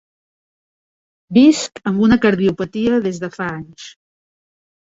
Visc amb una cardiopatia des de fa anys.